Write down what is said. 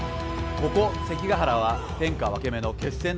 ここ関ケ原は天下分け目の決戦の地。